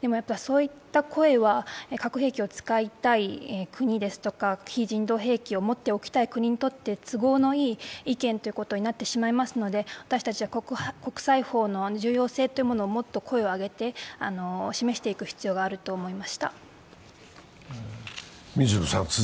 そういった声は核兵器を使いたい国ですとか非人道兵器を持っておきたい国にとって都合のいい意見ということになってしまいますので私たちは国際法の重要性をもっと声を上げて示していく必要があると思いました。